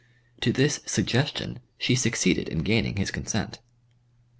To this suggestion she succeeded in gaining his consent.